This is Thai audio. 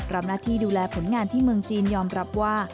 รับหน้าที่ดูแลผลงานที่เมืองจีนยอมรับว่า